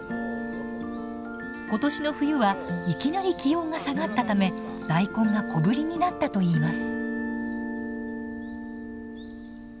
今年の冬はいきなり気温が下がったため大根が小ぶりになったといいます。